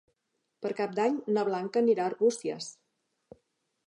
Per Cap d'Any na Blanca anirà a Arbúcies.